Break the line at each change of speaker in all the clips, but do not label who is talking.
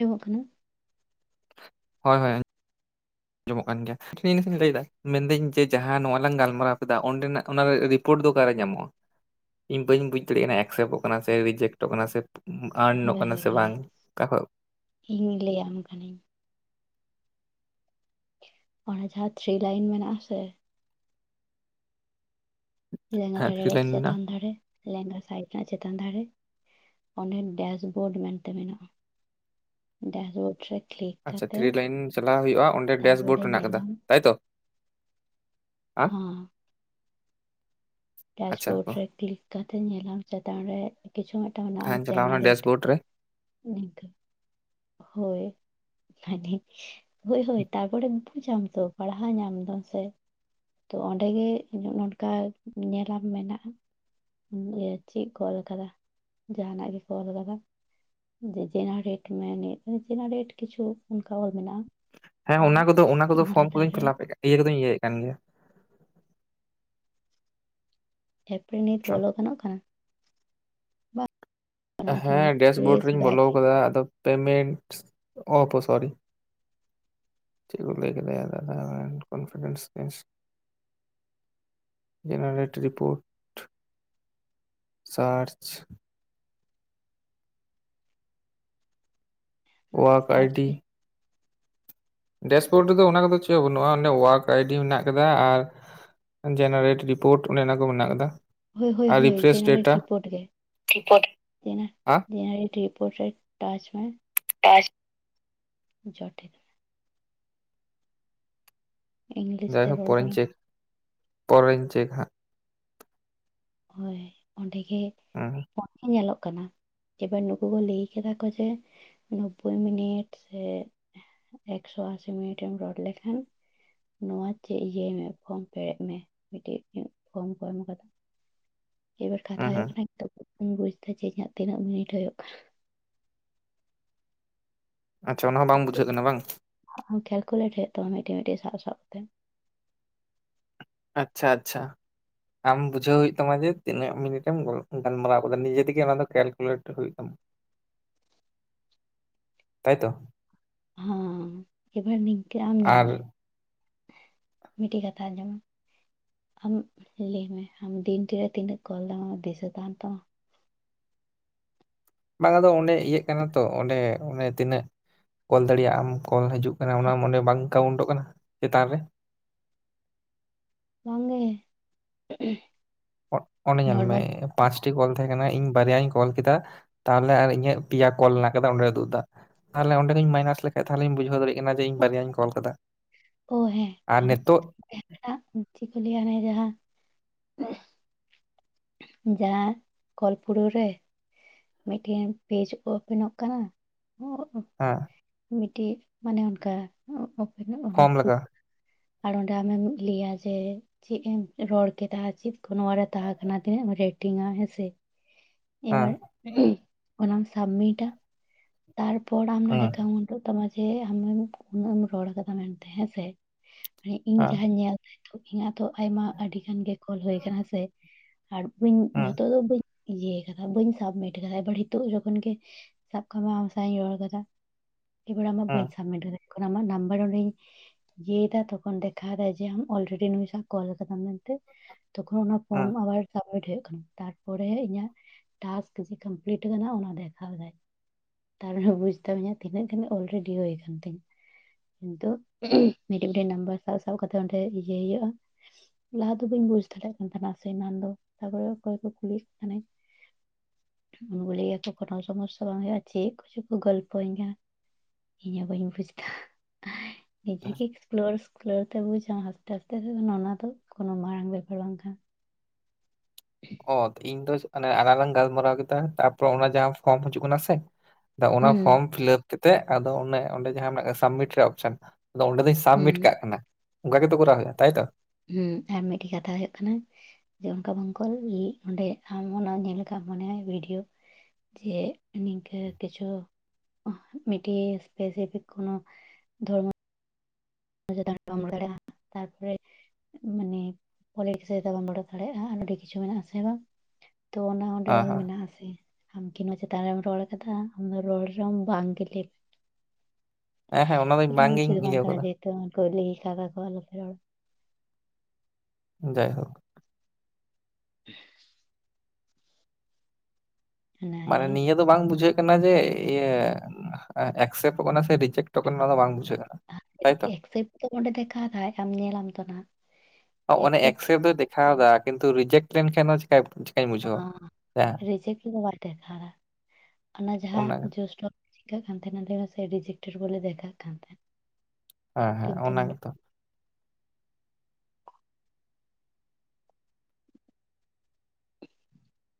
ᱟᱸᱡᱚᱢᱚᱜ ᱠᱟᱱᱟ ᱾
ᱦᱚᱭ ᱦᱚᱭ ᱟᱡᱚᱢᱚᱜ ᱠᱟᱱ ᱜᱮᱭᱟ ᱤᱧ [unintelligible] ᱞᱟᱹᱭ ᱮᱟᱫᱟ ᱢᱮᱱᱫᱤᱧ ᱡᱮ ᱡᱟᱦᱟᱸ ᱱᱚᱣᱟ ᱞᱟᱝ ᱜᱟᱞᱢᱟᱨᱟᱣ ᱠᱮᱫᱟ, ᱚᱸᱰᱮᱱᱟᱜ ᱚᱱᱟᱨᱮ ᱨᱤᱯᱳᱨᱴ ᱫᱚ ᱚᱠᱟᱨᱮ ᱧᱟᱢᱚᱜᱼᱟ ᱾ ᱤᱧ ᱵᱟᱹᱧ ᱵᱩᱡ ᱫᱟᱲᱮᱭᱟᱜ ᱠᱟᱱᱟ ᱮᱠᱥᱮᱯᱴᱚᱜ ᱠᱟᱱᱟ ᱥᱮ, ᱨᱤᱡᱮᱠᱴᱚᱜ ᱠᱟᱱᱟ ᱥᱮ, ᱟᱨᱱᱚᱜ ᱠᱟᱱᱟ ᱥᱮ, ᱵᱟᱝ ᱚᱠᱟ ᱠᱷᱚᱡ
ᱤᱧᱤ ᱞᱟᱹᱭᱟᱢ ᱠᱟᱹᱱᱟᱹᱧ ᱚᱱᱟ ᱡᱟᱦᱟᱸ ᱛᱷᱨᱤ ᱞᱟᱭᱤᱱ ᱢᱮᱱᱟᱜ ᱟᱥᱮ ᱞᱮᱸᱜᱟ
ᱦᱮᱸ
ᱫᱷᱟᱨᱮ
ᱛᱷᱨᱤ
ᱨᱮ
ᱞᱟᱭᱤᱱ ᱢᱮᱱᱟᱜᱼᱟ
ᱪᱮᱛᱟᱱ ᱫᱷᱟᱨᱮ, ᱞᱮᱸᱜᱟ ᱥᱟᱭᱤᱴ ᱨᱮᱱᱟᱜ ᱪᱮᱛᱟᱱ ᱫᱷᱟᱨᱮ, ᱚᱸᱰᱮ ᱰᱮᱥᱵᱳᱨᱰ ᱢᱮᱱᱛᱮ ᱢᱮᱱᱟᱜᱼᱟ ᱾ ᱰᱟᱭᱥᱵᱳᱰᱨᱮ
ᱟᱪᱪᱷᱟ, ᱛᱷᱨᱤ ᱞᱟᱭᱤᱱ ᱪᱟᱞᱟᱣ ᱦᱩᱭᱩᱜᱼᱟ, ᱚᱸᱰᱮ ᱰᱟᱥᱵᱳᱰ
ᱛᱟᱨᱯᱚᱨᱮ
ᱢᱮᱱᱟᱜ ᱟᱠᱟᱫᱟ
ᱧᱮᱞᱟᱢ
ᱛᱟᱭᱛᱚ ᱾
ᱦᱚᱸ
ᱟᱪᱪᱷᱟ
ᱵᱮᱥᱵᱳᱨᱰ
ᱚ
ᱨᱮ ᱠᱤᱞᱤᱠ ᱠᱟᱛᱮᱫ ᱧᱮᱞᱟᱢ ᱪᱮᱛᱟᱱ ᱨᱮ ᱠᱤᱪᱷᱩ ᱢᱤᱫᱴᱟᱝ ᱢᱮᱱᱟᱜᱼᱟ
ᱦᱮᱸᱧ ᱪᱟᱞᱟᱣᱱᱟ
ᱡᱮᱱᱟᱨᱮᱴ ᱾
ᱰᱮᱥᱵᱳᱨᱰ ᱨᱮ
ᱦᱳᱭ ᱢᱟᱱᱮ ᱦᱳᱭ ᱦᱳᱭ ᱛᱟᱨᱯᱚᱨᱮ ᱵᱩᱡ ᱟᱢ ᱛᱚ ᱯᱟᱲᱦᱟᱣ ᱧᱟᱢ ᱫᱟᱢ ᱥᱮ, ᱚᱸᱰᱮ ᱜᱮ, ᱱᱚᱝᱠᱟ ᱧᱮᱞᱟᱢ ᱢᱮᱱᱟᱜᱼᱟ ᱾ ᱤᱭᱟᱹ ᱪᱮᱫ ᱚᱞ ᱠᱟᱫᱟ ᱡᱟᱸᱦᱟᱱᱟᱜ ᱜᱮᱠᱚ ᱚᱞ ᱠᱟᱫᱟ ᱾ ᱡᱮ ᱡᱮᱱᱟᱨᱮᱴ ᱢᱮᱱᱮᱫ ᱡᱮᱱᱟᱨᱮᱴ ᱠᱤᱪᱷᱩ ᱚᱱᱠᱟ ᱚᱞ ᱢᱮᱱᱟᱜᱼᱟ ᱾
ᱦᱮᱸ ᱚᱱᱟ ᱠᱚᱫᱚ ᱚᱱᱟ ᱠᱚᱫᱚ ᱯᱷᱚᱨᱚᱢ ᱠᱚᱫᱚᱧ ᱯᱷᱤᱞᱟᱯ ᱤᱭᱟᱹ ᱠᱚᱫᱚᱧ ᱤᱭᱟᱹᱭᱮ ᱠᱟᱱ ᱜᱮᱭᱟ ᱾
ᱮᱨ ᱯᱚᱨᱮ ᱱᱤᱛ
ᱪᱚ᱾
ᱵᱚᱞᱚ ᱜᱟᱱᱚᱜ ᱠᱟᱱᱟ ᱾ ᱜᱟᱱᱚᱜᱼᱟ ᱛᱚ ᱱᱚᱣᱟ
ᱦᱮᱸ
ᱯᱨᱮᱥ
ᱰᱮᱥᱵᱳᱨᱰ ᱨᱮᱧ
ᱵᱮᱠ
ᱵᱚᱞᱚ ᱠᱟᱫᱟ ᱟᱫᱚ ᱯᱮᱢᱮᱱᱴ ᱦᱚᱸ ᱛᱚ ᱥᱚᱨᱤ, ᱪᱮᱫ ᱠᱚ ᱞᱟᱹᱭ ᱠᱮᱫᱟᱭᱟ ᱫᱟᱫᱟ [unintelligible] ᱡᱱᱟᱨᱮᱴ ᱨᱤᱯᱳᱴ, ᱥᱟᱨᱪ, ᱳᱭᱟᱠ
ᱥᱟᱨᱪ
ᱟᱭᱰᱤ,
ᱜᱮ
ᱰᱮᱥᱵᱳᱨᱰ ᱨᱮᱫᱚ ᱚᱱᱟ ᱠᱚᱫᱚ ᱪᱮᱫ ᱦᱚᱸ ᱵᱟᱹᱱᱩᱜ-ᱟ, ᱚᱱᱮ ᱣᱟᱠ ᱟᱭᱰᱤ ᱢᱮᱱᱟᱜ ᱠᱟᱫᱟ, ᱟᱨ ᱡᱟᱱᱟᱨᱮᱴ ᱨᱤᱯᱳᱨᱴ ᱚᱱᱮ ᱚᱱᱟ ᱠᱚ ᱢᱮᱱᱟᱜ ᱠᱟᱫᱟ ᱾
ᱦᱳᱭ ᱦᱳᱭ ᱦᱳᱭ, ᱡᱮᱱᱟᱨᱮᱴ ᱨᱤᱯᱳᱨᱴ ᱜᱮ
ᱨᱤᱯᱳᱴ
ᱡᱮᱱᱟᱨᱮᱴ ᱡᱮᱱᱟᱨᱮᱴ ᱯᱚᱨᱮ ᱴᱟᱪ ᱢᱮ
ᱴᱟᱪ
ᱡᱚᱴᱮᱫ ᱤᱝᱞᱤᱥ ᱛᱮ
ᱡᱟᱭᱦᱳᱠ
ᱨᱚᱲ
ᱯᱚᱨᱮᱧ
ᱵᱟᱝ
ᱪᱮᱠ ᱯᱚᱨᱮᱧ ᱪᱮᱠ ᱦᱟᱸᱜ ᱾
ᱦᱳᱭ ᱚᱸᱰᱮ ᱜᱮ,
ᱩᱸᱜ
[unintelligible] ᱧᱮᱞᱚᱜ ᱠᱟᱱᱟ ᱮᱵᱟᱨ ᱱᱩᱠᱩ ᱠᱚ ᱞᱟᱹᱭ ᱟᱠᱟᱫᱟ ᱠᱚ ᱡᱮ ᱱᱵᱵᱵᱳᱭ ᱢᱤᱱᱤᱴ ᱥᱮ ᱮᱠᱥᱚ ᱟᱥᱤ ᱢᱤᱱᱤᱴ ᱮᱢ ᱨᱚᱲ ᱞᱮᱠᱷᱟᱱ ᱱᱚᱣᱟ ᱪᱮᱫ ᱤᱭᱟᱹᱭ ᱢᱮ ᱯᱷᱚᱨᱚᱢ ᱯᱮᱨᱮᱡ ᱢᱮ ᱢᱤᱫᱴᱤᱡ ᱯᱷᱚᱨᱚᱢ ᱠᱚ ᱮᱢ ᱟᱠᱟᱫᱟ ᱮᱵᱟᱨ
ᱦᱩᱸ
ᱠᱟᱛᱷᱟ ᱦᱩᱭᱩᱜ
ᱦᱩᱸ
ᱠᱟᱱᱟ ᱱᱤᱛᱚᱜ ᱵᱟᱹᱧ ᱵᱩᱡ ᱮᱫᱟ ᱡᱮ ᱤᱧᱟᱹᱜ ᱛᱤᱱᱟᱹᱜ ᱢᱤᱱᱤᱴ ᱦᱩᱭᱩᱜ ᱠᱟᱱᱟ
ᱟᱪᱪᱷᱟ ᱚᱱᱟ ᱦᱚᱸ ᱵᱟᱝ ᱵᱩᱡᱷᱟᱹᱜ ᱠᱟᱱᱟ ᱵᱟᱝ᱾
ᱟᱢ ᱠᱮᱞᱠᱩᱞᱮᱴ ᱦᱩᱭᱩᱜ ᱛᱟᱢᱟ ᱢᱤᱫᱴᱤᱡ ᱢᱤᱫᱴᱤᱡ ᱥᱟᱵ ᱥᱟᱵ ᱛᱮ
ᱟᱪᱪᱷᱟ ᱟᱪᱪᱷᱟ᱾ ᱟᱢ ᱵᱩᱡᱷᱟᱹᱣ ᱦᱩᱭᱩᱜ ᱛᱟᱢᱟ ᱡᱮ ᱛᱤᱱᱟᱹᱜ ᱢᱤᱱᱤᱴ ᱮᱢ [unintelligible] ᱜᱟᱞᱢᱟᱨᱟᱣ ᱟᱠᱟᱫᱟ ᱱᱤᱡᱮ ᱛᱮᱜᱮ ᱚᱱᱟ ᱫᱚ ᱠᱮᱞᱠᱩᱞᱮᱴ ᱦᱩᱭᱩᱜ ᱛᱟᱢᱟ᱾
[unintelligible]
ᱛᱟᱭ ᱛᱚ᱾
ᱦᱮᱸ᱾ᱮᱵᱟᱨ ᱱᱤᱝᱠᱟᱹ ᱟᱢ ᱧᱮᱞ
ᱟᱨ
ᱢᱮ ᱢᱤᱫᱴᱤᱡ ᱠᱟᱛᱷᱟ ᱟᱸᱡᱚᱢ ᱢᱮ ᱟᱢ ᱞᱟᱹᱭ ᱢᱮ ᱟᱢ ᱫᱤᱱ [unintelligible] ᱨᱮ ᱛᱤᱱᱟᱹᱜ ᱠᱚᱞ ᱟᱢᱟᱜ ᱫᱤᱥᱟᱹ ᱛᱟᱸᱦᱮᱱ ᱛᱟᱢᱟ
ᱵᱟᱝ ᱟᱫᱚ ᱚᱸᱰᱮ ᱤᱭᱟᱹᱜ ᱠᱟᱱᱟ ᱛᱚ ᱚᱸᱰᱮ ᱚᱱᱮ ᱛᱤᱱᱟᱹᱜ ᱠᱚᱞ ᱫᱟᱲᱮᱭᱟᱜ ᱟᱢ ᱠᱚᱞ ᱦᱤᱡᱩᱜ ᱠᱟᱱᱟ ᱚᱱᱟ
ᱦᱳᱭ,
ᱢᱟᱱᱮ ᱵᱟᱝ ᱠᱟᱣᱩᱱᱴᱚᱜ ᱠᱟᱱᱟ ᱪᱮᱛᱟᱱ ᱨᱮ
ᱵᱟᱝ ᱜᱮ᱾
ᱚᱱᱮ ᱧᱮᱞ ᱢᱮ ᱯᱟᱸᱪᱴᱤ ᱠᱚᱞ ᱛᱟᱦᱮᱸ ᱠᱟᱱᱟ ᱤᱧ ᱵᱟᱨᱭᱮᱭᱟᱧ ᱠᱚᱞ ᱠᱮᱫᱟ ᱛᱟᱦᱚᱞᱮ ᱟᱨ ᱤᱧᱟᱹᱜ ᱯᱮᱭᱟ ᱠᱚᱞ ᱢᱮᱱᱟᱜ ᱠᱟᱫᱟ ᱚᱸᱰᱮ ᱩᱫᱩᱜ ᱮᱫᱟ᱾ ᱛᱟᱦᱚᱞᱮ ᱚᱰᱮᱜᱤᱧ ᱢᱟᱭᱱᱟᱥ ᱞᱮᱠᱷᱟᱡ ᱛᱟᱦᱚᱞᱤᱧ ᱵᱩᱡᱷᱟᱹᱣ ᱫᱟᱲᱮᱭᱟᱜ ᱠᱟᱱᱟ ᱡᱮ ᱤᱧ ᱵᱟᱨᱮᱭᱟᱧ ᱠᱚᱞ ᱟᱠᱟᱫᱟ᱾ [unintelligible] ᱟᱨ ᱱᱤᱛᱚᱜ
[unintelligible] ᱪᱤᱫ ᱠᱚ ᱞᱮᱭᱟ ᱦᱟᱱᱮ ᱡᱟᱦᱟᱸ [unintelligible] ᱡᱟᱦᱟᱸ ᱠᱚᱞ ᱯᱩᱨᱟᱹᱣ ᱨᱮ ᱢᱤᱫᱴᱷᱮᱱ ᱯᱮᱡᱽ ᱳᱯᱮᱱᱚᱜ ᱠᱟᱱᱟ
ᱦᱟᱸ᱾
ᱢᱤᱫᱴᱤᱡ ᱢᱟᱱᱮ ᱚᱱᱠᱟ ᱳᱯᱮᱱᱚᱜ ᱚᱱᱟ
ᱯᱷᱚᱨᱢ ᱞᱟᱜᱟ
[unintelligible] ᱟᱨ ᱚᱸᱰᱮ ᱟᱢᱮᱢ ᱞᱟᱹᱭᱟ ᱡᱮ ᱪᱮᱫ ᱮᱢ ᱨᱚᱲ ᱠᱮᱫᱟ ᱪᱮᱫ ᱠᱚ ᱱᱚᱣᱟ ᱨᱮ ᱛᱟᱦᱮᱸ ᱠᱟᱱᱟ ᱛᱤᱱᱟᱹᱜ ᱮᱢ ᱨᱮᱴᱤᱝ-ᱟ ᱦᱮᱸ ᱥᱮ ᱮᱵᱟᱨ
ᱦᱮᱸ
ᱚᱱᱟᱢ ᱥᱟᱵᱢᱤᱴᱟ ᱛᱟᱨᱯᱚᱨ ᱟᱢ ᱱᱚᱰᱮ
ᱦᱮᱸ
ᱛᱟᱢᱟ ᱡᱮ ᱟᱢᱮᱢ ᱩᱱᱟᱹᱜ ᱮᱢ ᱨᱚᱲ ᱟᱠᱟᱫᱟ ᱢᱮᱱ ᱛᱮ ᱦᱮᱸ ᱥᱮ [unintelligible] ᱢᱟᱱᱮ ᱤᱧ
ᱦᱮᱸ
ᱡᱟᱦᱟᱸᱧ ᱧᱮᱞ ᱤᱧᱟᱹᱜ ᱛᱚ ᱟᱭᱢᱟ ᱟᱹᱰᱤ ᱜᱟᱱ ᱜᱮ ᱠᱚᱞ ᱦᱩᱭ ᱟᱠᱟᱱᱟ ᱦᱮᱸᱥᱮ [unintelligible] ᱟᱨ ᱵᱟᱹᱧ
ᱦᱮᱸ
ᱡᱷᱚᱛᱚ ᱫᱚ ᱵᱟᱹᱧ ᱤᱭᱟᱹ ᱟᱠᱟᱫᱟ ᱵᱟᱹᱧ ᱥᱟᱢᱢᱤᱴ ᱟᱠᱟᱫᱟ ᱮᱵᱟᱨ ᱦᱤᱛᱚᱜ ᱡᱚᱠᱷᱚᱱ ᱜᱮ ᱥᱟᱵ ᱠᱟᱜ ᱢᱮ ᱟᱢ ᱥᱟᱶ ᱤᱧ ᱨᱚᱲ ᱟᱠᱟᱫᱟ ᱮᱵᱟᱨᱮ ᱟᱢᱟᱜ ᱵᱟᱹᱧ
ᱦᱮᱸ
ᱥᱟᱵᱢᱤᱴ ᱫᱟᱲᱮᱭᱟᱜ ᱠᱟᱱᱟ ᱟᱢᱟᱜ ᱱᱟᱢᱵᱟᱨ ᱚᱸᱰᱮᱧ ᱤᱭᱟᱹᱭ ᱮᱫᱟ ᱛᱚᱠᱷᱚᱱ ᱫᱮᱠᱷᱟᱣ ᱮᱫᱟᱭ ᱡᱮ ᱟᱢ ᱚᱞᱨᱮᱰᱤ ᱱᱩᱭ ᱥᱟᱶ ᱠᱚᱞ ᱟᱠᱟᱫᱟᱢ ᱢᱮᱱᱛᱮ ᱛᱚᱠᱷᱚᱱ ᱚᱱᱟ ᱯᱷᱚᱨᱢ
ᱦᱮᱸ
ᱟᱵᱟᱨ ᱥᱟᱵᱢᱤᱴ ᱦᱩᱭᱩᱜ ᱠᱟᱱᱟ ᱾ᱛᱟᱨᱯᱚᱨᱮ ᱤᱧᱟᱹᱜ ᱴᱟᱠᱥ [unintelligible] ᱠᱚᱢᱯᱞᱤᱴ ᱟᱠᱟᱱᱟ ᱚᱱᱟ ᱫᱮᱠᱷᱟᱣ ᱮᱫᱟᱭ᱾ ᱛᱟᱨ ᱢᱟᱱᱮ ᱵᱩᱡᱽ ᱮᱫᱟᱢ ᱤᱧᱟᱜ ᱛᱤᱱᱟᱹᱜ ᱜᱟᱱ ᱚᱞᱨᱮᱰᱤ ᱦᱩᱭ ᱟᱠᱟᱱ ᱛᱤᱧᱟᱹ᱾ ᱠᱤᱱᱛᱩ ᱢᱤᱫᱴᱤᱡ ᱢᱤᱫᱴᱮᱱ ᱱᱟᱢᱵᱟᱨ ᱥᱟᱵ ᱥᱟᱵ ᱠᱟᱛᱮᱜ ᱚᱸᱰᱮ ᱤᱭᱟᱹᱭ ᱦᱩᱭᱩᱜ-ᱟ ᱞᱟᱦᱟ ᱫᱚ ᱵᱟᱹᱧ ᱵᱩᱡ ᱫᱟᱲᱮᱭᱟᱜ ᱠᱟᱱ ᱛᱟᱦᱮᱸᱱᱟ ᱥᱮ ᱮᱱᱟᱱ ᱫᱚ ᱛᱟᱨᱯᱚᱨᱮ ᱚᱠᱚᱭ ᱠᱚ ᱠᱩᱞᱤᱭᱮᱫ ᱛᱟᱦᱮᱸ ᱤᱧ ᱵᱚᱞᱮ [unintelligible] ᱠᱳᱱᱳ ᱥᱚᱢᱚᱥᱥᱟ ᱵᱟᱝ ᱦᱳᱭᱳᱜ-ᱟ ᱪᱮᱫ ᱠᱚᱪᱚ ᱠᱚ ᱜᱚᱞᱯᱚ ᱤᱧ ᱠᱟᱱᱟ᱾ ᱤᱧ ᱦᱚᱸ ᱵᱟᱹᱧ ᱵᱩᱡᱽ ᱮᱫᱟ᱾ᱱᱤᱡᱮ ᱜᱮ ᱮᱠᱥᱯᱞᱳᱨ [unintelligible] ᱛᱮ ᱵᱩᱡᱟ ᱟᱥᱛᱮ ᱟᱥᱛᱮ ᱛᱮ ᱚᱱᱟ ᱫᱚ ᱠᱚᱱᱚ ᱢᱟᱨᱟᱝ ᱵᱮᱯᱟᱨ ᱵᱟᱝ ᱠᱟᱱᱟ [unintelligible]
[unintelligible] ᱤᱧ ᱫᱚ ᱟᱞᱟᱝ ᱞᱟᱝ ᱜᱟᱞᱢᱟᱨᱟᱣ ᱠᱮᱫᱟ ᱛᱟᱯᱚᱨ ᱚᱱᱟ ᱡᱟᱦᱟᱸ ᱯᱷᱚᱨᱢ ᱦᱤᱡᱩᱜ ᱠᱟᱱᱟ ᱥᱮ ᱟᱫᱚ ᱚᱱᱟ
ᱦᱩᱸ,
ᱯᱷᱚᱨᱚᱢ ᱯᱷᱤᱞᱟᱯ ᱠᱟᱹᱛᱮᱫ ᱟᱫᱚ ᱚᱱᱮ ᱚᱸᱰᱮ ᱡᱟᱦᱟᱸ ᱢᱮᱱᱟᱜ ᱟᱠᱟᱜ ᱥᱟᱵᱢᱤᱴ ᱨᱮᱭᱟᱜ ᱚᱯᱥᱮᱱ ᱟᱫᱚ ᱚᱸᱰᱮ ᱫᱚᱧ
ᱦᱩᱸ,
ᱥᱟᱵᱢᱤᱴ ᱠᱟᱜ ᱠᱟᱱᱟ ᱚᱱᱠᱟ ᱜᱮᱛᱚ ᱠᱚᱨᱟᱣ ᱦᱩᱭᱩᱜ-ᱟ ᱛᱟᱭ ᱛᱚ᱾
ᱦᱮᱸ ᱟᱨ ᱢᱤᱫᱴᱮᱡ ᱠᱟᱛᱷᱟ ᱦᱩᱭᱩᱜ ᱠᱟᱱᱟ ᱡᱮ ᱚᱱᱠᱟ ᱵᱟᱝᱠᱚᱞ [unintelligible] ᱚᱸᱰᱮ ᱟᱢ ᱚᱱᱟ ᱧᱮᱞ ᱟᱠᱟᱫ ᱟᱢ [unintelligible] ᱚᱱᱟ ᱵᱷᱤᱰᱭᱳ ᱡᱮ ᱱᱤᱝᱠᱟᱹ ᱠᱤᱪᱷᱩ ᱢᱤᱴᱤᱡ ᱥᱯᱮᱥᱯᱷᱤᱠ ᱠᱚᱱᱚ ᱫᱷᱚᱨᱢᱚ [unintelligible] ᱛᱟᱨᱯᱚᱨᱮ ᱢᱟᱱᱮ ᱠᱚᱞᱮᱡᱽ ᱵᱟᱢ ᱳᱰᱚᱠ ᱫᱟᱲᱮᱜ-ᱟ ᱟᱨ ᱟᱹᱰᱤ ᱠᱤᱪᱷᱩ ᱢᱮᱱᱟᱜᱼᱟ ᱟᱥᱮ ᱵᱟᱝ? ᱛᱚ ᱚᱱᱟ ᱚᱸᱰᱮ
ᱦᱮᱸ
ᱚᱞ
ᱦᱮᱸ
ᱢᱮᱱᱟᱜ ᱟᱥᱮ ᱟᱢ ᱠᱤᱱ ᱱᱚᱣᱟ ᱪᱮᱛᱟᱱ ᱨᱮᱢ ᱨᱚᱲ ᱠᱟᱫᱟ ᱟᱢᱫᱚ ᱨᱚᱲ ᱨᱮᱦᱚᱸ ᱵᱟᱝ ᱜᱮ ᱞᱟᱹᱭ ᱢᱮ᱾
ᱦᱮᱸ ᱦᱮᱸ ᱚᱱᱟ ᱫᱚ ᱵᱟᱝᱜᱤᱧ
ᱪᱮᱫ ᱵᱟᱝ
ᱤᱭᱟᱹ
ᱠᱟᱱᱟ
ᱠᱟᱫᱟ
ᱡᱮᱦᱩᱛᱩ [unintelligible] ᱟᱞᱮ ᱯᱮ ᱨᱚᱲᱟ
ᱡᱟᱭᱦᱳᱠ
[inaudible]
ᱢᱟᱱᱮ
ᱚᱱᱟᱜᱮ
ᱱᱤᱭᱟᱹ ᱫᱚ ᱵᱟᱝ ᱵᱩᱡᱷᱟᱹᱜ ᱠᱟᱱᱟ ᱡᱮ ᱤᱭᱟᱹ ᱮᱠᱥᱮᱯᱴᱚᱜ ᱠᱟᱱᱟ ᱥᱮ ᱨᱤᱡᱮᱠᱴᱚᱜ ᱠᱟᱱᱟ ᱚᱱᱟ ᱫᱚ ᱵᱟᱝ ᱵᱩᱡᱷᱟᱹᱜ ᱠᱟᱱᱟ᱾ ᱛᱟᱭᱛᱚ?
ᱮᱠᱥᱮᱯᱴ ᱫᱚ ᱚᱹᱰᱮ ᱫᱮᱠᱷᱟᱣ ᱫᱟᱭ ᱟᱢ ᱧᱮᱞᱟᱢ ᱛᱚ ᱱᱟᱦᱟᱜ
ᱚᱱᱮ ᱮᱠᱥᱮᱯᱴ ᱫᱚᱭ ᱫᱮᱠᱷᱟᱣ ᱫᱟ ᱠᱤᱱᱛᱩ ᱨᱤᱡᱮᱴ ᱞᱮᱱᱠᱷᱟᱱ ᱱᱚᱣᱟ ᱪᱤᱠᱟᱹ ᱪᱤᱠᱟᱹᱧ ᱵᱩᱡᱷᱟᱹᱣᱟ? ᱦᱮᱸ
ᱨᱤᱡᱮᱠᱴ ᱫᱚ ᱵᱟᱭ ᱫᱮᱠᱷᱟᱣ ᱫᱟ ᱚᱱᱟ ᱡᱟᱦᱟᱸ ᱡᱳᱥᱴᱚ ᱫᱮᱠᱟᱜ ᱠᱟᱱ ᱛᱟᱦᱮᱱᱟ ᱞᱟᱸᱭ ᱢᱮᱥᱮ ᱨᱤᱡᱮᱠᱴᱮᱴ ᱵᱚᱞᱮ ᱫᱮᱠᱷᱟᱜ ᱠᱟᱱ ᱛᱟᱦᱮᱸᱱ᱾
ᱦᱮᱸ ᱦᱮᱸ ᱚᱱᱟ ᱜᱮᱛᱚ᱾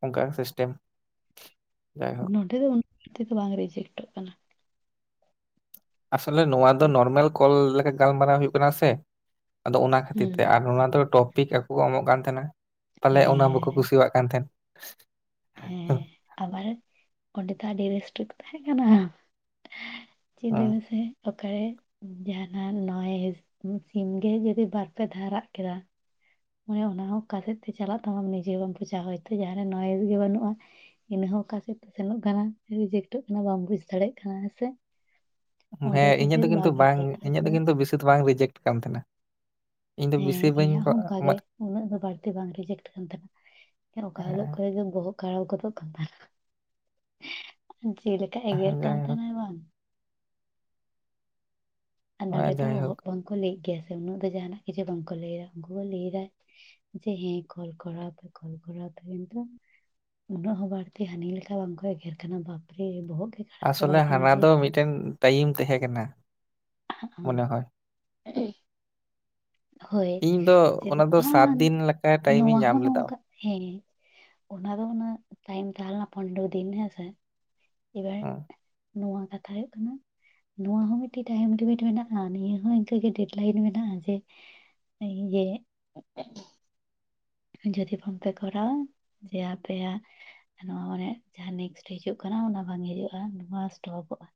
ᱚᱝᱠᱟ ᱜᱮ ᱥᱤᱥᱴᱮᱢ ᱡᱟᱭᱦᱳᱠ
[unintelligible] ᱵᱟᱝ ᱨᱮᱤᱡᱮᱠᱴᱚᱜ ᱠᱟᱱᱟ
ᱟᱥᱚᱞᱮ ᱱᱚᱶᱟ ᱫᱚ ᱱᱚᱨᱢᱟᱞ ᱠᱚᱞ ᱞᱮᱠᱟ ᱜᱟᱞᱢᱟᱨᱟᱣ ᱦᱩᱭᱩᱜ ᱠᱟᱱᱟ ᱥᱮ᱾ ᱟᱫᱚ ᱚᱱᱟ ᱠᱷᱟᱹᱛᱤᱨ
ᱦᱩᱸ
ᱛᱮ ᱟᱨ ᱚᱱᱟ ᱫᱚ ᱴᱚᱯᱤᱠ ᱟᱠᱚ ᱠᱚ ᱮᱢᱚᱜ ᱠᱟᱱ ᱛᱟᱦᱮᱱᱟ ᱛᱟᱦᱚᱞᱮ ᱚᱱᱟ ᱵᱟᱠᱚ
ᱦᱮᱸ
ᱠᱩᱥᱤᱣᱟᱜ ᱠᱟᱱ ᱛᱟᱦᱮᱸᱱ᱾
ᱦᱮᱸ ᱟᱵᱟᱨ ᱚᱸᱰᱮ ᱫᱚ ᱟᱹᱰᱤ [unintelligible] ᱠᱚ ᱛᱟᱦᱮᱸ ᱠᱟᱱᱟ᱾ ᱪᱮᱜ ᱞᱟᱹᱭ ᱢᱮᱥᱮ᱾ ᱚᱠᱟᱨᱮ ᱡᱟᱦᱟᱱᱟᱜ ᱱᱚᱭᱮᱥ ᱥᱤᱢ ᱜᱮ ᱡᱩᱫᱤ ᱵᱟᱨᱯᱮ ᱫᱷᱟᱣ ᱨᱟᱜ ᱠᱮᱫᱟ ᱢᱚᱱᱮ ᱚᱱᱟ ᱦᱚᱸ ᱚᱠᱟᱥᱮᱫ ᱛᱮ ᱪᱟᱞᱟᱜ ᱛᱟᱢᱟ ᱱᱤᱡᱮ ᱵᱟᱢ ᱵᱩᱡᱟ ᱦᱚᱭᱛᱚ ᱡᱟᱦᱟᱱᱟᱜ ᱱᱚᱭᱮᱥ ᱜᱮ ᱵᱟᱹᱱᱩᱜᱼᱟ᱾ ᱤᱱᱟᱹ ᱦᱚᱸ ᱚᱠᱟ ᱥᱮᱫ ᱛᱮ ᱥᱮᱱᱚᱜ ᱠᱟᱱᱟ ᱨᱤᱡᱮᱠᱴᱚᱜ ᱠᱟᱱᱟ ᱵᱟᱢ ᱵᱩᱡ ᱫᱟᱲᱮᱜ ᱠᱟᱱᱟ ᱦᱮᱸ ᱥᱮ? ᱚᱸᱰᱮ
ᱦᱮᱸ ᱤᱧᱟᱹᱜ
ᱵᱮᱥ
ᱫᱚ ᱠᱤᱱᱛᱩ
ᱵᱷᱟᱜᱤ
ᱵᱟᱝ
ᱜᱮ
ᱤᱧᱟᱹᱜ ᱫᱚ
ᱛᱟᱨᱯᱚᱨ
ᱠᱤᱱᱛᱩ ᱵᱮᱥᱤ ᱫᱚ ᱵᱟᱝ ᱨᱮᱡᱮᱠᱴ ᱠᱟᱱ ᱛᱟᱦᱮᱸᱱᱟ᱾
ᱦᱮᱸ ᱤᱧᱟᱹᱜ ᱦᱚᱸ ᱚᱝᱠᱟᱜ ᱜᱮ ᱩᱱᱟᱹᱜ ᱫᱚ ᱵᱟᱹᱲᱛᱤ ᱵᱟᱝ ᱨᱮᱡᱮᱠᱴ ᱠᱟᱱ ᱛᱟᱦᱮᱱᱟ᱾ ᱦᱮᱸ ᱚᱠᱟ ᱦᱤᱞᱳᱜ ᱠᱚᱨᱮ ᱫᱚ ᱵᱚᱦᱚᱜ ᱠᱷᱟᱨᱟᱯ ᱜᱚᱫᱚᱜ ᱠᱟᱱ [unintelligible] ᱡᱮᱞᱮᱠᱟ ᱮᱜᱮᱨ
ᱦᱮᱸ
ᱠᱟᱱ
ᱡᱟᱭᱦᱳᱠ
ᱛᱟᱦᱮᱱᱟᱭ ᱵᱟᱝ ᱟᱨ ᱱᱚᱸᱰᱮ ᱫᱚ
ᱡᱟᱭᱦᱳᱠ
ᱚᱦᱚᱜ ᱵᱟᱝᱠᱚ ᱞᱟᱹᱭᱮᱜ ᱜᱮᱭᱟ ᱥᱮ ᱩᱱᱟᱹᱜ ᱫᱚ ᱡᱟᱦᱟᱱᱟᱜ ᱠᱤᱪᱷᱩ ᱵᱟᱝᱠᱚ ᱞᱟᱹᱭᱟ ᱩᱝᱠᱩ ᱠᱚ ᱞᱟᱹᱭ ᱫᱟ ᱡᱮ ᱦᱮᱸ ᱠᱚᱞ ᱠᱚᱨᱟᱣ ᱯᱮ ᱠᱚᱞ ᱠᱚᱨᱟᱣ ᱯᱮ ᱠᱤᱱᱛᱩ ᱩᱱᱟᱹᱜ ᱦᱚᱸ ᱵᱟᱹᱲᱛᱤ ᱦᱟᱹᱱᱤ ᱞᱮᱠᱟ ᱵᱟᱝᱠᱚ ᱮᱜᱮᱨ ᱟᱠᱟᱱᱟ ᱵᱟᱯᱨᱮ ᱵᱚᱦᱚᱜ ᱜᱮ ᱠᱷᱟᱨᱟᱯ
ᱟᱥᱚᱞᱮ
ᱪᱟᱵᱟᱭ ᱛᱟᱢᱟ
ᱦᱟᱱᱟ
ᱞᱟᱹᱭ
ᱫᱚ
ᱛᱮ᱾
ᱢᱤᱫᱴᱮᱱ ᱴᱟᱭᱤᱢ ᱛᱟᱦᱮᱸ ᱠᱟᱱᱟ᱾ ᱢᱚᱱᱮ ᱦᱚᱭ᱾
[inaudible] ᱦᱳᱭ
ᱤᱧ ᱫᱚ
ᱪᱮ
ᱚᱱᱟ ᱫᱚ
ᱵᱟᱝ
ᱫᱤᱱ ᱞᱮᱠᱟ ᱴᱟᱭᱤᱢᱤᱧ
ᱱᱚᱣᱟ
ᱧᱟᱢ
ᱦᱚᱸ
ᱞᱮᱫᱟ᱾
ᱱᱚᱝᱠᱟ ᱦᱮᱸ ᱚᱱᱟ ᱫᱚ ᱩᱱᱟᱹᱜ ᱛᱟᱭᱚᱢ ᱛᱟᱦᱮᱸ ᱞᱮᱱᱟ ᱯᱚᱱᱮᱨᱚ ᱫᱤᱱ ᱦᱸᱥᱮ᱾ ᱮᱵᱟᱨ
ᱦᱩᱸ,
ᱱᱚᱣᱟ ᱠᱟᱛᱷᱟ ᱦᱩᱭᱩᱜ ᱠᱟᱱᱟ ᱱᱚᱣᱟ ᱦᱚᱸ ᱢᱤᱫᱴᱮᱱ ᱴᱟᱭᱤᱢ ᱞᱤᱢᱤᱴ ᱢᱮᱱᱟᱜᱼᱟ ᱱᱤᱭᱟᱹ ᱦᱚᱸ ᱤᱱᱠᱟᱹᱜ ᱜᱮ ᱪᱮᱰ ᱞᱟᱭᱤᱱ ᱢᱮᱱᱟᱜᱼᱟ ᱡᱮ [unintelligible] ᱡᱩᱫᱤ ᱵᱟᱝᱯᱮ ᱠᱚᱨᱟᱣᱟ ᱡᱮ ᱟᱯᱮᱭᱟᱜ ᱱᱚᱣᱟ ᱢᱟᱱᱮ ᱡᱟᱦᱟᱸ ᱱᱮᱠᱥᱴᱮ ᱦᱤᱡᱩᱜ ᱠᱟᱱᱟ ᱚᱱᱟ ᱵᱟᱝ ᱦᱤᱡᱩᱜᱼᱟ ᱱᱚᱣᱟ ᱥᱴᱚᱯᱚᱜᱼᱟ᱾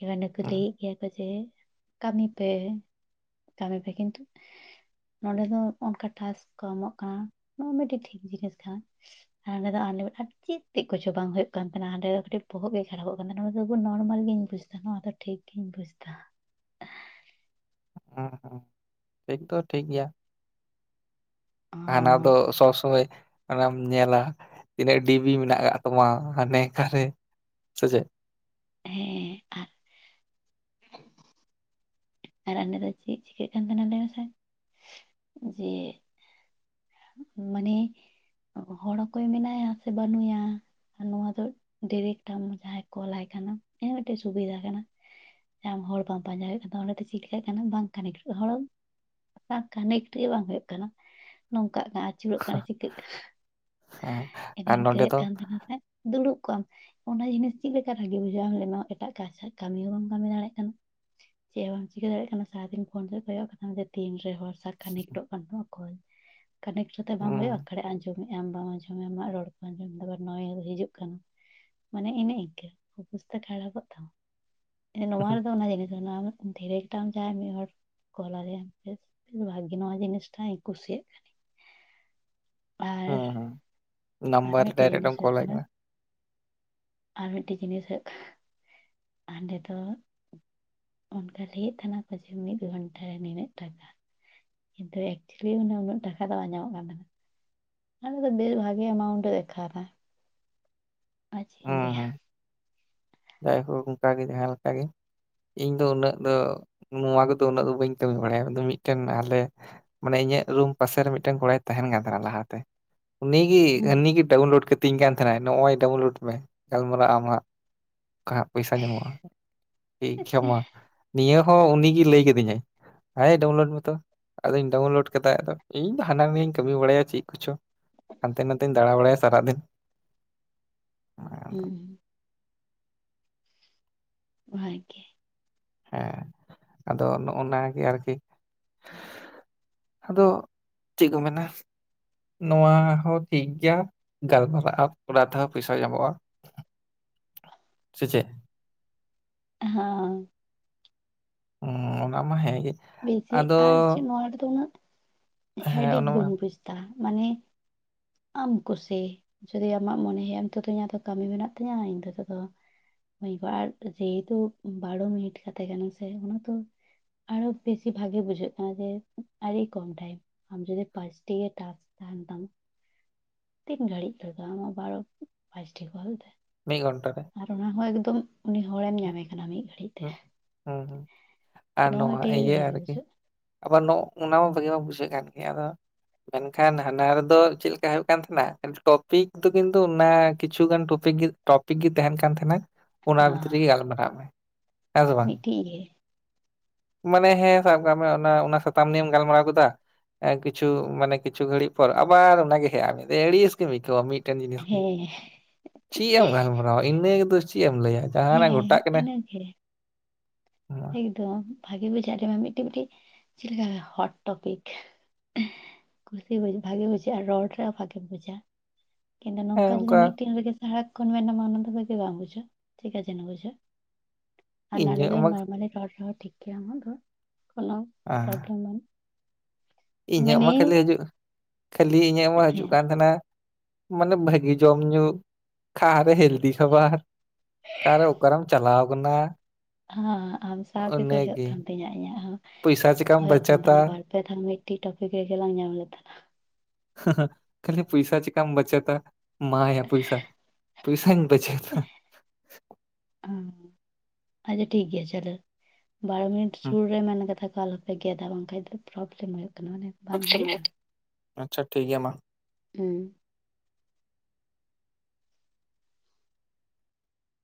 ᱮ ᱢᱟᱱᱮ
ᱦᱩᱸ,
ᱞᱟᱹᱭᱮᱜ ᱜᱮᱭᱟ ᱠᱚ ᱡᱮ ᱠᱟᱹᱢᱤ ᱯᱮ ᱠᱟᱹᱢᱤ ᱯᱮ ᱠᱤᱱᱛᱩ ᱱᱚᱰᱮ ᱫᱚ ᱚᱝᱠᱟ ᱴᱟᱥ ᱠᱚ ᱮᱢᱚᱜ ᱠᱟᱱᱟ ᱱᱚᱣᱟ ᱢᱤᱫᱴᱤᱡ ᱴᱷᱤᱠ ᱡᱤᱱᱤᱥ ᱠᱟᱱᱟ᱾ ᱟᱨ ᱦᱟᱸᱰᱮ ᱫᱚ ᱪᱮᱫ ᱛᱮᱜ ᱠᱚᱪᱚ ᱵᱟᱝ ᱦᱩᱭᱩᱜ ᱠᱟᱱ ᱛᱟᱦᱮᱱᱟ ᱦᱟᱸᱰᱮ ᱫᱚ ᱠᱟᱹᱴᱤᱜ ᱵᱚᱦᱚᱜ ᱜᱮ ᱠᱷᱟᱨᱟᱯᱚᱜ ᱠᱟᱱᱟ᱾ [unintelligible] ᱱᱚᱨᱢᱟᱞ ᱜᱤᱧ ᱵᱩᱡᱽᱫᱟ ᱱᱚᱣᱟ ᱫᱚ ᱴᱷᱤᱠ ᱜᱤᱧ ᱵᱩᱡᱫᱟ᱾
ᱟ ᱴᱷᱤᱠ ᱫᱚ ᱴᱷᱤᱠ ᱜᱮᱭᱟ᱾
ᱚ
ᱦᱟᱱᱟ ᱫᱚ ᱥᱚᱵ ᱥᱚᱢᱚᱭ ᱚᱱᱟᱢ ᱧᱮᱞᱟ ᱛᱤᱱᱟᱹᱜ ᱰᱤᱵᱤ ᱢᱮᱱᱟᱜ ᱠᱟᱜ ᱛᱟᱢᱟ ᱦᱟᱱᱮ ᱠᱟᱨᱮ ᱥᱮ ᱪᱮᱫ?
ᱦᱮᱸ ᱟᱨ ᱟᱨ ᱟᱞᱮ ᱫᱚ ᱪᱮᱜ ᱪᱤᱠᱟᱹᱜ ᱠᱟᱱ ᱛᱟᱦᱮᱱᱟ ᱞᱟᱹᱭ ᱢᱮᱥᱮ ᱡᱮ ᱢᱟᱱᱮ ᱦᱚᱲ ᱚᱠᱚᱭ ᱢᱮᱱᱟᱭᱟ ᱥᱮ ᱵᱟᱹᱱᱩᱭᱟ ᱟᱨ ᱱᱚᱣᱟ ᱫᱚ ᱰᱮᱨᱮᱠᱴ ᱡᱟᱦᱟᱸᱭ ᱠᱚᱞᱟᱭ ᱠᱟᱱᱟᱢ ᱤᱱᱟᱹ ᱢᱤᱫᱴᱮᱱ ᱥᱩᱵᱤᱫᱷᱟ ᱠᱟᱱᱟ ᱾ ᱟᱢ ᱦᱚᱲ ᱵᱟᱢ ᱯᱟᱸᱡᱟ ᱦᱩᱭᱩᱜ ᱠᱟᱱ ᱚᱸᱰᱮ ᱫᱚ ᱪᱮᱫᱠᱟᱹᱜ ᱠᱟᱱᱟ ᱵᱟᱝ ᱠᱟᱱᱮᱠᱴ [unintelligible] ᱵᱟᱝ ᱠᱟᱹᱱᱮᱠᱴ ᱜᱮ ᱵᱟᱝ ᱦᱳᱭᱳᱜ ᱠᱟᱱᱟ ᱾ ᱱᱚᱝᱠᱟᱜ ᱠᱟᱱᱟ ᱟᱹᱪᱩᱨᱚᱜ ᱠᱟᱱᱟ ᱪᱤᱠᱟᱹᱜ ᱠᱟᱱᱟ
ᱦᱮᱸ
ᱮᱱᱮ
ᱟᱨ
ᱤᱝᱠᱟᱹ
ᱱᱚᱸᱰᱮ
ᱦᱤᱭᱩᱜ
ᱫᱚ
ᱠᱟᱱ ᱛᱟᱦᱮᱱᱟ ᱥᱮ? ᱫᱩᱲᱩᱵ ᱠᱚᱜ-ᱟᱢ ᱚᱱᱟ ᱡᱤᱱᱤᱥ ᱪᱮᱫ ᱞᱮᱠᱟ ᱵᱷᱟᱜᱤ ᱵᱩᱡᱷᱟᱹᱣᱟ ᱟᱢ ᱞᱟᱹᱭ ᱢᱮ ᱮᱴᱟᱜ [unintelligible] ᱠᱟᱹᱢᱤ ᱦᱚᱸ ᱵᱟᱢ ᱠᱟᱹᱢᱤ ᱫᱟᱲᱮᱭᱟᱜ ᱠᱟᱱᱟ ᱪᱮᱫ ᱦᱚᱸ ᱵᱟᱢ ᱪᱤᱠᱟᱹ ᱫᱟᱲᱮᱜ ᱠᱟᱱᱟ ᱥᱟᱨᱟᱫᱤᱱ ᱯᱷᱳᱱ ᱨᱮ ᱠᱚᱣᱚᱜ ᱠᱟᱛᱟᱢ ᱛᱤᱱᱨᱮ ᱦᱚᱲ ᱥᱟᱠ ᱠᱟᱱᱮᱠᱴᱚᱜ ᱠᱟᱱ ᱛᱟᱢᱟ ᱠᱚᱞ ᱠᱟᱱᱮᱠᱴ ᱠᱟᱛᱮ ᱵᱟᱝ ᱦᱩᱭᱩᱜᱼᱟ
ᱦᱩᱸ,
ᱟᱠᱷᱲᱮ ᱟᱸᱡᱚᱢ ᱮᱫ ᱟᱢ ᱵᱟᱢ ᱟᱸᱡᱚᱢ ᱮᱫ ᱟᱢ ᱟᱢᱟᱜ ᱨᱚᱲ ᱠᱚ ᱟᱸᱡᱚᱢᱫᱟ ᱟᱵᱟᱨ ᱱᱚᱭᱮᱨ ᱦᱤᱡᱩᱜ ᱠᱟᱱᱟ ᱢᱟᱱᱮ ᱮᱱᱮ ᱤᱱᱠᱟᱹ ᱚᱵᱚᱥᱛᱟ ᱠᱷᱟᱨᱟᱯᱚᱜ ᱛᱟᱢᱟ ᱱᱚᱣᱟ
ᱦᱩᱸ,
ᱨᱮᱫᱚ ᱚᱱᱟ ᱡᱤᱱᱤᱥ [unintelligible] ᱫᱷᱤᱨᱮᱠᱴ ᱟᱢ ᱡᱟᱦᱟᱸᱭ ᱢᱤᱫ ᱦᱚᱲ ᱠᱚᱞ ᱟᱫᱮᱭᱟᱢ ᱵᱮᱥ ᱵᱮᱥ ᱵᱷᱟᱜᱮ ᱱᱚᱣᱟ ᱡᱤᱱᱤᱥ ᱴᱟᱜ ᱤᱧ ᱠᱩᱥᱤᱭᱟᱜ ᱠᱟᱱᱟ ᱟᱨ
ᱦᱩᱸ ᱦᱩᱸ
ᱟᱨ
ᱱᱟᱢᱵᱟᱨ
ᱢᱤᱫᱴᱮᱡ
ᱰᱟᱭᱨᱮᱠᱴ
ᱡᱤᱱᱤᱥ
ᱮᱢ
ᱦᱩᱭᱩᱜ
ᱠᱚᱞ ᱟᱭ ᱠᱟᱱᱟ
ᱟᱨ ᱢᱤᱫᱴᱮᱡ ᱡᱤᱱᱤᱥ ᱦᱩᱭᱩᱜ ᱠᱟᱱᱟ ᱦᱟᱸᱰᱮ ᱫᱚ ᱚᱱᱠᱟ ᱞᱟᱹᱭᱮᱫ ᱛᱟᱦᱮᱱᱟᱠᱚ ᱡᱮ ᱢᱤᱫ ᱜᱷᱚᱱᱴᱟ ᱨᱮ ᱱᱤᱱᱟᱹᱜ ᱴᱟᱠᱟ ᱠᱤᱱᱛᱩ ᱮᱠᱪᱩᱭᱮᱞᱤ ᱢᱟᱱᱮ ᱩᱱᱟᱹᱜ ᱴᱟᱠᱟ ᱫᱚ ᱵᱟᱝ ᱧᱟᱢᱚᱜ ᱠᱟᱱ ᱛᱟᱦᱮᱱᱟ [unintelligible] ᱵᱮᱥ ᱵᱷᱟᱜᱤ ᱮᱢᱟᱩᱱᱴ ᱫᱮᱠᱷᱟᱣ ᱫᱟ
ᱦᱩᱸ ᱦᱩᱸ ᱡᱟᱭ ᱦᱳᱠ ᱚᱱᱠᱟ ᱜᱮ ᱡᱟᱦᱟᱸ ᱞᱮᱠᱟ ᱜᱮ ᱤᱧ ᱫᱚ ᱩᱱᱟᱹᱜ ᱫᱚ ᱱᱚᱣᱟ ᱠᱚᱫᱚ ᱩᱱᱟᱹᱜ ᱫᱚ ᱵᱟᱹᱧ ᱠᱟᱹᱢᱤ ᱵᱟᱲᱟᱭᱟ ᱟᱫᱟ ᱢᱤᱫᱴᱮᱱ ᱟᱞᱮ ᱢᱟᱱᱮ ᱤᱧᱟᱹᱜ ᱨᱩᱢ ᱯᱟᱥᱮ ᱨᱮ ᱢᱤᱫᱴᱮᱱ ᱠᱚᱲᱟᱭ ᱛᱟᱦᱮᱱ ᱠᱟᱱ ᱛᱟᱦᱮᱱᱟ ᱞᱟᱦᱟᱛᱮ ᱩᱱᱤ ᱜᱮ
ᱦᱩᱸ
ᱦᱟᱹᱱᱤ ᱜᱮ ᱰᱟᱣᱩᱱᱞᱳᱰ ᱠᱟᱛᱤᱧ ᱠᱟᱱ ᱛᱟᱦᱮᱱᱟᱭ ᱱᱚᱜ-ᱚᱭ ᱰᱟᱣᱩᱱᱞᱳᱰ ᱜᱟᱞᱢᱟᱨᱟᱜ ᱟᱢ ᱦᱟᱸᱜ ᱚᱸᱠᱟ ᱯᱚᱭᱥᱟ ᱧᱟᱢᱚᱜᱼᱟ [unintelligible] ᱱᱤᱭᱟᱹ ᱦᱚᱸ ᱩᱱᱤᱜᱮ ᱞᱟᱹᱭ ᱠᱟᱹᱫᱤᱧᱟᱭ ᱦᱟᱭ ᱰᱟᱣᱩᱱᱞᱳᱰ ᱢᱮᱛᱚ ᱟᱫᱚᱧ ᱰᱟᱣᱩᱱᱞᱳᱰ ᱠᱟᱫᱟ ᱟᱫᱚ ᱤᱧ ᱫᱚ ᱦᱟᱱᱟ ᱱᱤᱭᱟᱹᱧ ᱠᱟᱹᱢᱤ ᱵᱟᱲᱟᱭᱟ ᱪᱮᱫ ᱠᱚᱪᱚ ᱦᱟᱱᱛᱮ ᱱᱟᱛᱮᱧ ᱫᱟᱲᱟ ᱵᱟᱲᱟᱭᱟ ᱥᱟᱨᱟᱫᱤᱱ ᱟᱫᱚ
ᱩᱸ ᱵᱷᱟᱜᱮ
ᱦᱮᱸ ᱟᱫᱚ ᱱᱚᱜᱼᱚᱱᱟ ᱜᱮ ᱟᱨᱠᱤ ᱟᱫᱚ ᱪᱮᱫ ᱠᱚ ᱢᱮᱱᱟ ᱱᱚᱣᱟ ᱦᱚᱸ ᱴᱷᱤᱠ ᱜᱮᱭᱟ ᱜᱟᱞᱢᱟᱨᱟᱜ ᱟᱢ ᱚᱱᱟ ᱛᱮᱦᱚᱸ ᱯᱚᱭᱥᱟ ᱧᱟᱢᱚᱜᱼᱟ ᱥᱮᱪᱮ
ᱦᱟᱸ
ᱦᱩᱸ ᱚᱱᱟ ᱢᱟ ᱦᱮᱸ ᱜᱮ
ᱵᱮᱥᱤ ᱟᱨ ᱪᱮᱫ ᱱᱚᱣᱟ ᱨᱮᱫᱚ ᱩᱱᱟᱹᱜ
ᱦᱮᱸ
ᱦᱮᱰᱮᱠ
ᱚᱱᱟ ᱢᱟ
ᱵᱟᱹᱧ ᱵᱩᱡᱽᱫᱟ ᱢᱟᱱᱮ ᱟᱢ ᱠᱩᱥᱤ ᱡᱩᱫᱤ ᱟᱢᱟᱜ ᱢᱚᱱᱮ ᱦᱩᱭᱩᱜᱼᱟᱢ ᱱᱤᱛᱚ ᱫᱚ ᱤᱧᱟᱹᱜ ᱫᱚ ᱠᱟᱹᱢᱤ ᱢᱮᱱᱟᱜ ᱛᱤᱧᱟ ᱤᱧ ᱫᱚ ᱦᱤᱛᱚᱜ ᱫᱚ [unintelligible] ᱡᱮᱦᱮᱛᱩ ᱵᱟᱨᱳ ᱢᱤᱱᱤᱴ ᱠᱟᱛᱮ ᱠᱟᱱᱟ ᱥᱮ ᱚᱱᱟ ᱛᱚ ᱟᱨᱚ ᱵᱮᱥᱤ ᱵᱷᱟᱜᱤ ᱵᱩᱡᱷᱟᱹᱜ ᱠᱟᱱᱟ ᱡᱮ ᱟᱹᱰᱤ ᱠᱚᱢ ᱴᱟᱭᱤᱢ ᱾ ᱟᱢ ᱡᱩᱫᱤ ᱯᱟᱸᱪᱴᱤ ᱜᱮ ᱴᱟᱠᱥ ᱛᱟᱦᱮᱱ ᱛᱟᱢ, ᱛᱤᱱ ᱜᱷᱟᱹᱲᱤᱡ ᱞᱟᱜᱟ ᱟᱢᱟᱜ ᱵᱟᱨᱚ ᱯᱟᱸᱪᱴᱤ ᱠᱚᱞ ᱛᱮ?
ᱢᱤᱫ ᱜᱷᱚᱱᱴᱟᱹ ᱨᱮ
ᱟᱨ ᱚᱱᱟ ᱦᱚᱸ ᱮᱠᱫᱚᱢ ᱩᱱᱤ ᱦᱚᱲᱮᱢ ᱧᱟᱢᱮ ᱠᱟᱱᱟ ᱢᱤᱫ ᱜᱷᱟᱹᱲᱤᱡ ᱛᱮ
ᱦᱩᱜᱸ ᱦᱩᱸ ᱦᱩᱸ
ᱛᱚ
ᱟᱨ ᱱᱚᱣᱟ
ᱢᱤᱫᱴᱮᱡ
ᱤᱭᱟᱹ
ᱵᱷᱟᱜᱮ
ᱟᱨᱠᱤ
ᱵᱩᱡᱷᱟᱹᱜᱼᱟ
ᱟᱵᱟᱨ ᱱᱚ ᱚᱱᱟ ᱢᱟ ᱵᱷᱟᱹᱜᱤ ᱢᱟ ᱵᱩᱡᱷᱟᱹᱜ ᱠᱟᱱ ᱜᱮ ᱟᱫᱚ ᱢᱮᱱᱠᱷᱟᱱ ᱦᱟᱱᱟ ᱨᱮᱫᱚ ᱪᱮᱫ ᱞᱮᱠᱟ ᱦᱩᱭᱩᱜ ᱠᱟᱱ ᱛᱟᱦᱮᱱᱟ ᱴᱚᱯᱤᱠ ᱫᱚ ᱠᱤᱱᱛᱩ ᱚᱱᱟ ᱠᱤᱪᱷᱩᱜᱟᱱ ᱴᱚᱯᱤᱠ ᱜᱮ ᱴᱚᱯᱤᱠ ᱜᱮ ᱛᱟᱦᱮᱱ ᱠᱟᱱ ᱛᱟᱦᱮᱱᱟ ᱚᱱᱟ ᱵᱷᱤᱛᱨᱤ
ᱦᱟᱸ
ᱨᱮᱜᱮ ᱜᱟᱞᱢᱟᱨᱟᱜ ᱢᱮ᱾ ᱦᱮᱸ ᱥᱮ ᱵᱟᱝ?
ᱢᱤᱫᱴᱤᱡ ᱜᱮ
ᱢᱟᱱᱮ ᱦᱮᱸ ᱥᱟᱵ ᱠᱟᱜ ᱢᱮ ᱚᱱᱟ ᱚᱱᱟ ᱥᱟᱛᱟᱢ ᱱᱤᱭᱮᱢ ᱜᱟᱞᱢᱟᱨᱟᱣ ᱠᱮᱫᱟ ᱾ ᱠᱤᱪᱷᱩ ᱢᱟᱱᱮ ᱠᱤᱪᱷ ᱜᱷᱟᱹᱲᱡ ᱯᱚᱨ ᱟᱵᱟᱨ ᱚᱱᱟ ᱜᱮ ᱦᱮᱡᱼᱟᱜ ᱢᱮ ᱫᱤᱭᱮ ᱟᱹᱲᱤᱥ ᱜᱮᱢ ᱟᱹᱭᱠᱟᱹᱣᱟ ᱢᱤᱫ ᱢᱤᱫᱴᱮᱱ ᱡᱤᱱᱤᱥ ᱜᱮ
ᱦᱮᱸ
ᱪᱮᱫ ᱮᱢ ᱜᱟᱞᱢᱟᱨᱟᱣᱟ ᱤᱱᱟᱹ ᱜᱮᱫᱚ ᱪᱮᱫ ᱮᱢ ᱞᱟᱹᱭᱟ ᱡᱟᱦᱟᱸᱟᱱᱟᱜ
ᱦᱮᱸ
ᱜᱷᱚᱴᱟᱜ ᱠᱟᱱᱟ
[unintelligible] ᱮᱠᱫᱚᱢ ᱵᱷᱟᱜᱤ ᱵᱩᱡᱷᱟᱹᱜ-ᱟ ᱟᱞᱮ ᱢᱟ ᱢᱤᱫᱴᱤᱡ-ᱢᱤᱫᱴᱤᱡ ᱪᱮᱫ ᱞᱮᱠᱟ ᱦᱚᱴ ᱴᱚᱯᱤᱠ ᱠᱩᱥᱤ ᱵᱩᱡ ᱵᱷᱟᱜᱤ ᱵᱩᱡᱷᱟᱹᱜᱼᱟ ᱟᱨ ᱨᱚᱲ ᱨᱮᱦᱚᱸ ᱵᱷᱟᱜᱮᱢ ᱵᱩᱡᱟ ᱾ ᱠᱤᱱᱛᱩ
ᱦᱮᱸ
ᱱᱚᱝᱠᱟ ᱡᱩᱫᱤ
ᱚᱱᱠᱟ
ᱢᱤᱫᱴᱤᱱ ᱨᱮᱜᱮ ᱫᱟ ᱠᱷᱚᱱ ᱢᱮᱱᱟ ᱢ ᱚᱱᱟ ᱛ ᱜᱮ ᱵᱟᱝ ᱵᱩᱡᱷᱣᱟ ᱴᱷᱤᱠ ᱟᱪᱷᱮ ᱵᱩᱡᱷ ᱟᱨ ᱱᱚᱞᱰᱮ
ᱤᱧᱟᱹᱜ
ᱫᱚ
ᱢᱟ
ᱢᱟᱱᱮ ᱨᱚᱲ ᱨᱮᱦ ᱴᱷᱤᱠ ᱜᱮᱭᱟᱢ ᱫᱚ ᱠᱚᱱᱚ
ᱟᱸ
ᱯᱨᱚᱵᱚᱞᱚᱢ ᱵᱟᱝ᱾
ᱤᱧᱟᱹᱜ ᱢᱟ ᱠᱷᱟᱹᱞᱤ ᱦᱤᱡᱩᱜ ᱠᱷᱟᱹᱞᱤ ᱤᱧᱟᱹᱜ ᱢᱟ ᱦᱤᱡᱩᱜ
ᱦᱮᱸ
ᱠᱟᱱ ᱛᱟᱦᱮᱱᱟ, ᱢᱟᱱᱮ ᱵᱷᱟᱹᱜᱤ ᱡᱚᱢ ᱧᱩ ᱠᱷᱟᱨ ᱦᱞᱫᱤ ᱠᱷᱟᱵᱟᱨ᱾ ᱠᱟᱨ ᱩᱠᱟᱨᱮᱢ ᱪᱟᱞᱟᱣ ᱠᱚᱱᱟ᱾
ᱦᱮᱸ ᱟᱢ ᱥᱟᱶ ᱜᱮ ᱦᱩᱭᱩᱜ ᱠᱟᱱ ᱛᱤᱧᱟᱹ ᱤᱧᱟᱹᱜ ᱦᱚᱸ
ᱯᱚᱭᱥᱟ ᱪᱤᱠᱟᱢ
ᱦᱩᱭᱩᱜ ᱠᱟᱱ
ᱵᱟᱪᱟᱛᱟ
ᱛᱟᱦᱮ ᱵᱟᱨ ᱟᱯᱮ ᱛᱟᱦ ᱢᱤᱫᱴᱤᱡ ᱴᱚᱯᱤᱠ ᱨᱮᱜᱮ ᱞᱟᱝ ᱧᱟᱢ ᱞᱮᱫ ᱛᱟᱦᱮᱱᱟ᱾
ᱦᱟᱦᱟ.. ᱠᱷᱞᱤ ᱯᱚᱭᱥᱟ ᱪᱤᱠᱟᱢ ᱵᱟᱪᱟᱛᱼᱟ᱾ ᱢᱟ ᱭᱟ ᱯᱚᱭᱥᱟ, ᱯᱚᱭᱥᱟ ᱵᱚᱪᱚᱛᱼᱟ᱾
ᱦᱮ ᱟᱪᱪᱷᱟ ᱴᱷᱤᱠᱭᱟ ᱪᱚᱞ ᱵᱟᱨ ᱢᱤᱱᱤᱴ
ᱦᱩᱸ
ᱥᱩᱨ ᱨᱮ ᱢᱮᱱ ᱠᱟᱛᱷᱟ ᱠᱚ ᱟᱞ ᱦᱚᱸᱯᱮ ᱜᱮᱫᱟ ᱵᱟᱝᱠᱷᱟᱡ ᱫᱚ ᱯᱨᱚᱵᱞᱮᱢ ᱦᱩᱭᱩᱜ ᱠᱟᱱᱟ ᱢᱟᱱᱮ᱾ ᱵᱟᱝ ᱤᱭᱟᱹᱜ
[unintelligible]
ᱠᱟᱱᱟ
ᱟᱪᱪᱷᱟ ᱴᱷᱤᱠ ᱜᱮᱭᱟ ᱢᱟ᱾
ᱦᱮᱸ